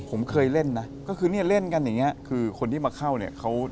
ผมเคยเล่นนะก็คือเล่นกันอย่างนี้คือคนที่มาเข้าเนี่ย